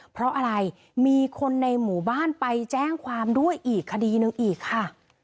เพราะอะไรมีคนในหมู่บ้านไปแจ้งความด้วยอีกคดีหนึ่งอีกค่ะ